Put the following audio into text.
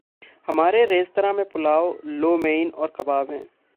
हमारे रेस्तराँ में पुलाव, लो मेइन और कबाब हैं।